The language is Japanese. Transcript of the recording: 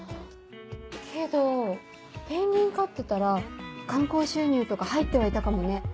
けどペンギン飼ってたら観光収入とか入ってはいたかもね。